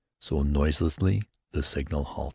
So, noiselessly, the signal "Halt!"